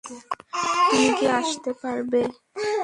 তুমি কি আসতে পারবে?